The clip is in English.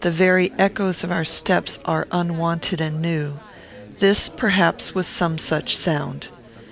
The very echoes of our steps are unwonted and new. This, perhaps, was some such sound.